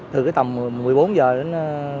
từ cái tầm một mươi bốn h đến